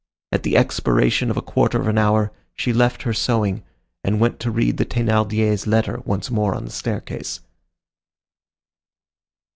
At the expiration of a quarter of an hour she left her sewing and went to read the Thénardiers' letter once more on the staircase.